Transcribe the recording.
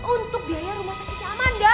untuk biaya rumah sakit yang amanda